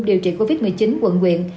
điều trị covid một mươi chín quận nguyện